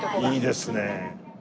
いいですね。